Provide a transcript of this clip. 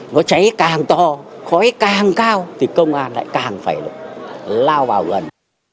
nó cháy càng to khói càng cao thì công an lại càng phải lao vào gần